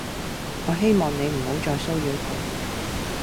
我希望你哋唔好騷擾佢